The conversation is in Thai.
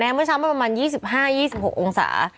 เมื่อเช้ามาประมาณ๒๕๒๖องศา